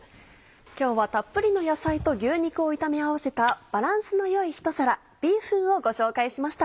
今日はたっぷりの野菜と牛肉を炒め合わせたバランスの良いひと皿ビーフンをご紹介しました。